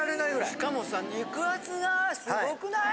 しかもさ肉厚がすごくない？